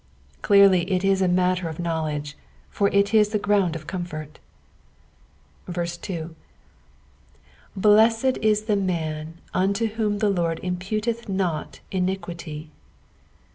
Clearly it is a matter of knowledge, for it is the ground of comfort. 3. " Bletted it th« man vnlc whom th« Lord impuUth not iniquity.